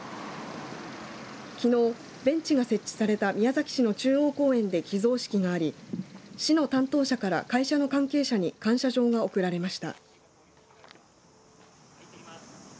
きのうベンチが設置された宮崎市の中央公園で寄贈式があり市の担当者から会社の関係者に感謝状が贈られました。